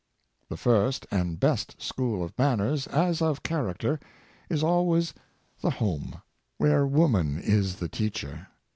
The first and best school of manners, as of charac ter, is always the Home, where woman is the teacher.